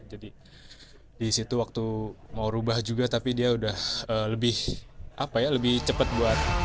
jadi di situ waktu mau rubah juga tapi dia udah lebih apa ya lebih cepat buat mengatasi